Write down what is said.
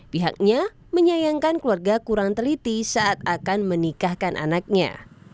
pihaknya menyayangkan keluarga kurang teliti saat akan menikahkan anaknya